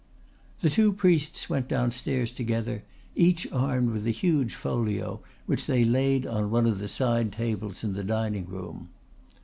The two priests went downstairs together, each armed with a huge folio which they laid on one of the side tables in the dining room.